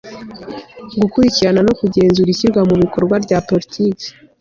gukurikirana no kugenzura ishyirwa mu bikorwa rya politiki